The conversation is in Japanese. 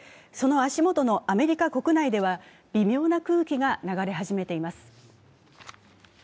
その足元のアメリカ国内では微妙な空気が流れ始めています。